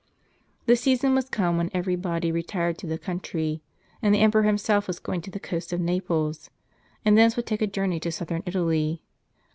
The season was come when every body retired to the country, and the emperor himself was going to the coast of Naples, and thence would take a journey to southern Italy.